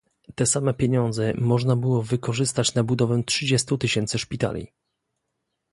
Te same pieniądze można było wykorzystać na budowę trzydziestu tysięcy szpitali